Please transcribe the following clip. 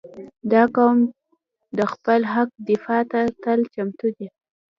• دا قوم د خپل حق دفاع ته تل چمتو دی.